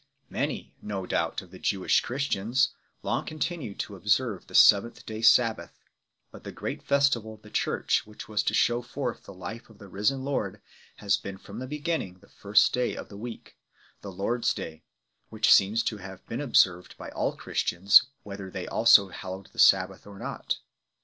Many, no doubt, of the Jewish Christians long continued to observe the seventh day Sabbath ; but the great festival of the Church which was to shew forth the life of the risen Lord has been from the beginning the first day of the week 4 , the " Lord s Day 5 / which seems to have been observed by all Christians, whether they also hallowed the Sabbath or not 6